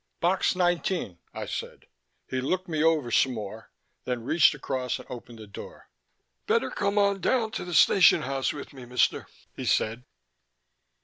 "Box nineteen," I said. He looked me over some more, then reached across and opened the door. "Better come on down to the station house with me, Mister," he said.